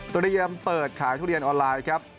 เตรียมเปิดขายทุเรียนออนไลน์ครับ